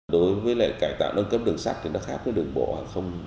đối với lệnh cải tạo nâng cấp đường sắt thì nó khác với đường bộ